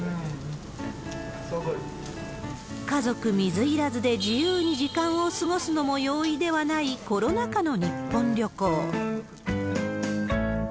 家族水入らずで自由に時間を過ごすのも容易ではない、コロナ禍の日本旅行。